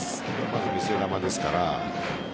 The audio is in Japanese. まず見せ球ですから。